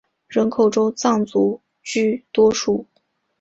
人口中藏族居多数。